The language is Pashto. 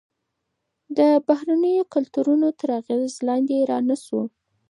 د بهرنیو کلتورونو تر اغیز لاندې رانه شو.